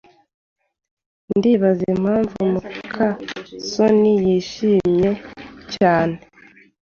Ndibaza impamvu muka soni yishimye cyane.